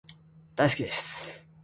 大好きです